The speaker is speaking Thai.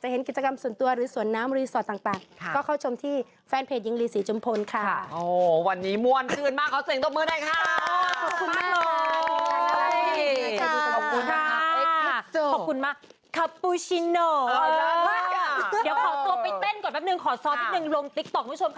เพราะว่าอาจารย์สวรรค์สารคำท่านบอกว่าท่านชอบ